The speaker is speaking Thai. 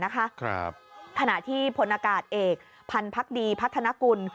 ขณะที่พลอากาศเอกพันธ์ดีพัฒนากุล